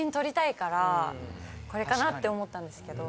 これかなって思ったんですけど。